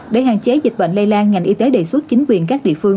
để hạn chế dịch bệnh lây lan ngành y tế đề xuất chính quyền các địa phương